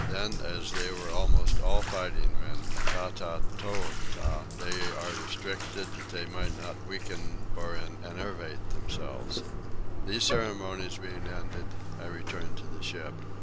Then as they are almost all fighting men (tata toa) they are restricted that they may not weaken or enervate themselves. These ceremonies being ended I returned to the ship.